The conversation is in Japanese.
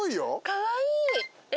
かわいい。